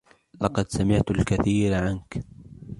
لقد سمعت الكثير عنك